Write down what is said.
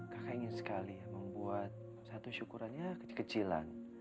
kakak ingin sekali ya membuat satu syukurannya kecil kecilan